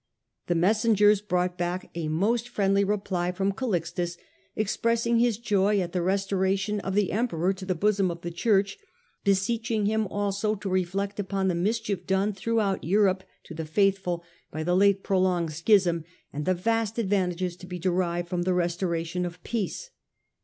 The messengers brought back a most . Digitized by VjOOQIC The Conclusion of the Strife 219 friendly reply from Calixtus, expressing his joy at the restoration of the emperor to the bosom of the Church, beseeching him also to reflect upon the mischief done throughout Europe to the faithful by the late prolonged schism, and the vast advantages to be derived from the restoration of peace.